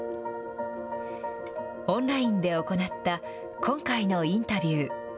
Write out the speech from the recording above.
オンラインで行った今回のインタビュー。